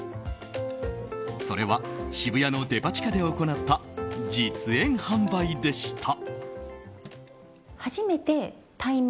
それは、渋谷のデパ地下で行った実演販売でした。